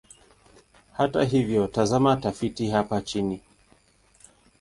Hata hivyo, tazama tafiti hapa chini.